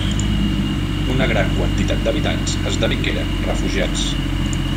Una gran quantitat d'habitants esdevingueren refugiats.